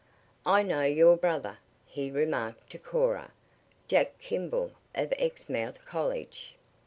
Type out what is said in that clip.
"I know your brother," he remarked to Cora. "Jack Kimball, of Exmouth College."